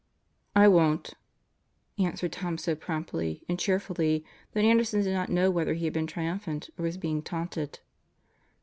"I won't," answered Tom so promptly and cheerfully that Anderson did not know whether he had been triumphant or was being taunted.